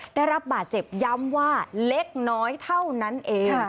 ได้รับบาดเจ็บย้ำว่าเล็กน้อยเท่านั้นเอง